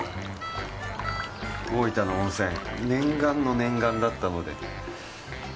大分の温泉、念願の念願だったので。